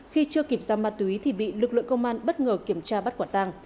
khi chưa kịp ra ma túy thì bị lực lượng công an bất ngờ kiểm tra bắt quả tàng